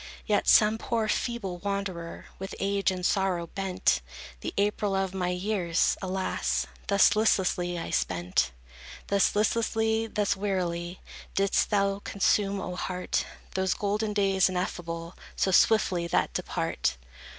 As some poor, feeble wanderer, With age and sorrow bent, The April of my years, alas, Thus listlessly I spent; Thus listlessly, thus wearily, Didst thou consume, O heart, Those golden days, ineffable, So swiftly that depart.